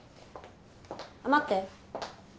待って。